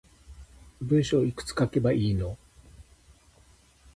文章いくつ書けばいいの